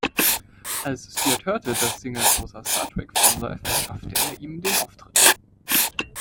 Als Stewart hörte, dass Singer großer Star-Trek-Fan sei, verschaffte er ihm den Auftritt.